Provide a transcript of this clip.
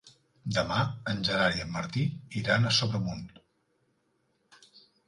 Demà en Gerard i en Martí iran a Sobremunt.